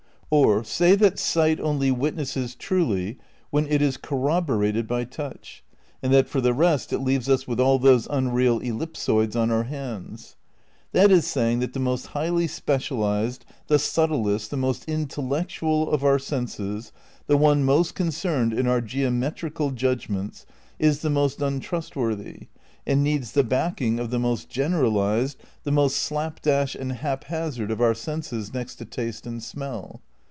Or, say that sight only witnesses truly when it is corroborated by touch, and that for the rest it leaves us with all those unreal ellipsoids on our hands. That is saying that the most highly specialised, the subtlest, the most intellectual of our senses, the one most con cerned in our geometrical judgments, is the most un trustworthy, and needs the backing of the most gen ' Perception, Physios and Beality, p. 249. 72 THE NEW IDEALISM m eralised, the most slap dash and hap hazard of our senses next to taste and smell.